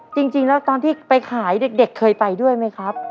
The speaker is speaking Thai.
จริงแล้วตอนที่ไปขายเด็กเคยไปด้วยไหมครับ